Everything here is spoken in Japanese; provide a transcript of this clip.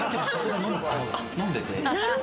飲んでて。